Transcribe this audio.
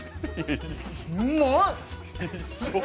うまいっ！